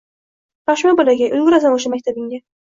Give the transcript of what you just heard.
Shoshma, bolakay, ulgurasan o`sha maktabingga